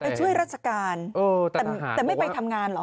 ช่วยราชการแต่ไม่ไปทำงานเหรอ